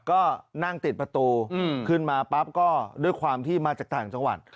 ก็นั่งติดประตูขึ้นมาปั๊บก็ด้วยความที่มาจากต่างจังหวัด